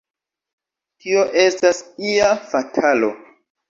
Tio estas ia fatalo!